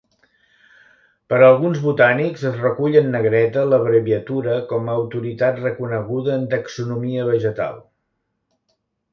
Per alguns botànics es recull en negreta l'abreviatura com a autoritat reconeguda en taxonomia vegetal.